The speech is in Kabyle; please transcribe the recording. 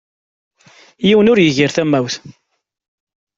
Yiwen ur igir tamawt.